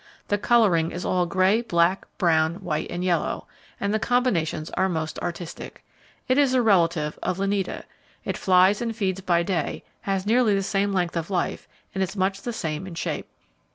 The colouring is all grey, black, brown, white and yellow, and the combinations are most artistic. It is a relative of Lineata. It flies and feeds by day, has nearly the same length of life, and is much the same in shape.